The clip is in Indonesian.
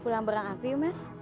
pulang berang aku ya mas